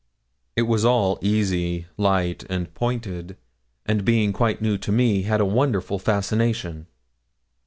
It was all easy, light, and pointed, and being quite new to me, had a wonderful fascination.